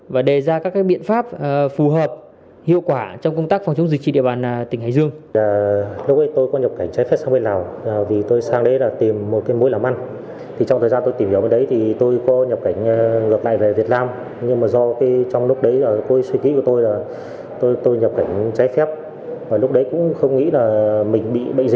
và đề ra các biện pháp phù hợp hiệu quả trong công tác phòng chống dịch trị địa bàn tỉnh hải dương